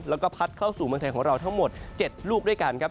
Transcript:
แล้วก็พัดเข้าสู่เมืองไทยของเราทั้งหมด๗ลูกด้วยกันครับ